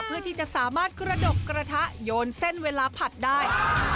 เพื่อที่จะสามารถกระดกกระทะโยนเส้นเวลาผัดได้